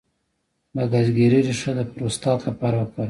د ګزګیرې ریښه د پروستات لپاره وکاروئ